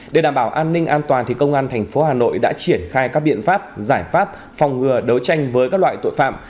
để đảm bảo an ninh an toàn công an thành phố hà nội đã triển khai các biện pháp giải pháp phòng ngừa đấu tranh với các loại tội phạm